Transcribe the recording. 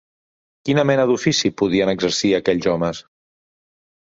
Quina mena d'ofici podien exercir aquells homes